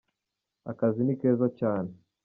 akazi nikeza cyane